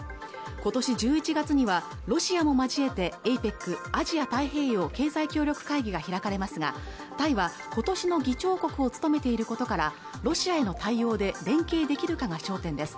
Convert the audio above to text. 今年１１月にはロシアも交えてＡＰＥＣ＝アジア太平洋経済協力会議が開かれますがタイはことしの議長国を務めていることからロシアへの対応で連携できるかが焦点です